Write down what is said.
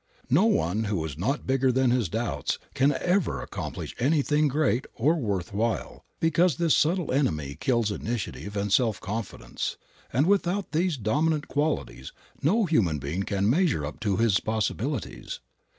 No one who is not bigger than his doubts can ever accomplish anything great or worth while, because this subtle enemy kills initiative and self confidence, and without these dominant qualities no human being can measure up to his possibilities.